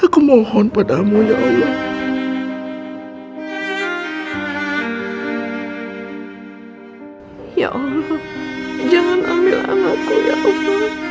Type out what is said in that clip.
aku mohon padamu ya allah